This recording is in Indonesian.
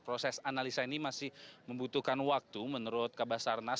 proses analisa ini masih membutuhkan waktu menurut kabupaten sanar